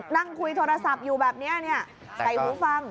นั่งคุยโทรศัพท์อยู่แบบนี้ใส่หูฟัง